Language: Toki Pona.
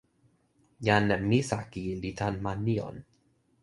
jan Misaki li tan ma Nijon.